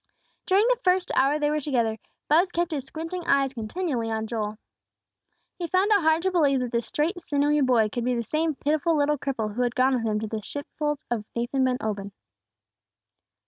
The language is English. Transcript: During the first hour they were together, Buz kept his squinting eyes continually on Joel. He found it hard to believe that this straight, sinewy boy could be the same pitiful little cripple who had gone with him to the sheepfolds of Nathan ben Obed.